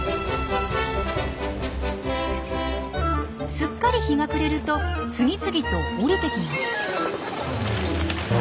すっかり日が暮れると次々と降りてきます。